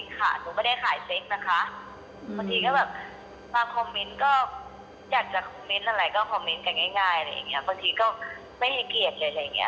ก็คอมเมนต์กันง่ายบางทีก็ไม่ให้เกียรติเลย